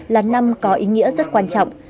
là năm có ý nghĩa rất quan trọng